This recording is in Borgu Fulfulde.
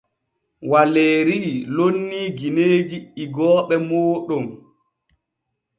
Waleeri lonnii gineeji igooɓe mooɗon.